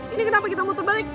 ini kenapa kita muter balik